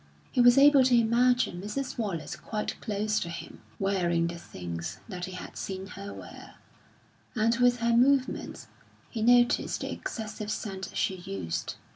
He was able to imagine Mrs. Wallace quite close to him, wearing the things that he had seen her wear, and with her movements he noticed the excessive scent she used.